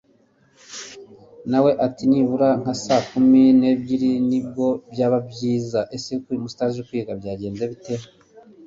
nawe ati nibura nka saa kumi nebyiri nibwo byaba byiza, ese ko uyu munsi utaje kwiga byagenze bite!